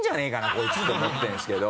こいつって思ってるんですけど。